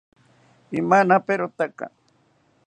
Imanaperotaka